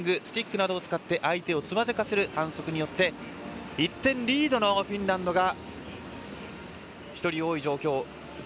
スティックなどを使って相手をつまずかせる反則によって１点リードのフィンランドが１人多い状況。